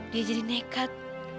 dia jadi nekat